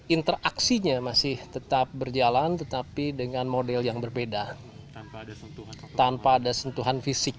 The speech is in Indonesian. interaksinya masih tetap berjalan tetapi dengan model yang berbeda tanpa ada sentuhan fisik